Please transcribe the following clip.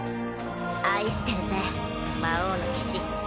愛してるぜ魔王の騎士。